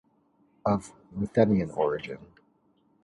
Of Ruthenian origin.